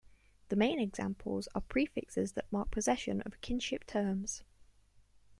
The main examples are prefixes that mark possession of kinship terms.